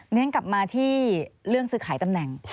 เรียนกลับมาที่เรื่องซื้อขายตำแหน่ง